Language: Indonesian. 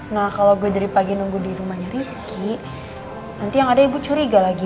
nah kalau gue dari pagi nunggu di rumahnya rizky nanti yang ada ibu curiga lagi